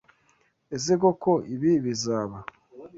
Ese koko ibi bizaba?